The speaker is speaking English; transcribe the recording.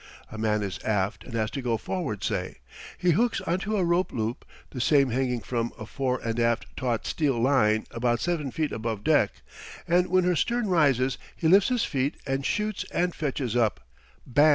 A man is aft and has to go forward, say. He hooks onto a rope loop, the same hanging from a fore and aft taut steel line about seven feet above deck, and when her stern rises he lifts his feet and shoots and fetches up Bam!